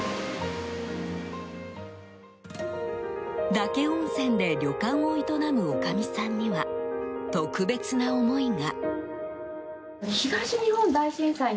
岳温泉で旅館を営むおかみさんには、特別な思いが。